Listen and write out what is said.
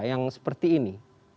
yang seperti ini